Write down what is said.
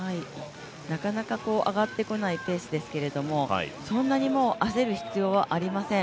なかなか上がってこないペースですけれども、そんなに焦る必要はありません。